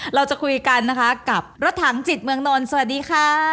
เราจะคุยกันนะคะกับรถถังจิตเมืองนนท์สวัสดีค่ะ